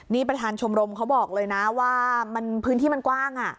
นี่ประธานชมรมเขาบอกเลยนะว่าพื้นที่มันกว้าง